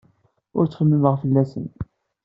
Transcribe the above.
Ur ttxemmimeɣ fell-asen.